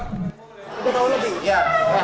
kedengaran dari para narapidana